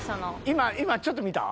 今今ちょっと見た？